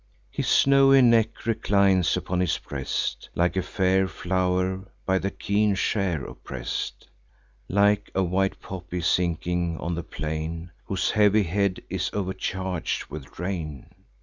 His snowy neck reclines upon his breast, Like a fair flow'r by the keen share oppress'd; Like a white poppy sinking on the plain, Whose heavy head is overcharg'd with rain.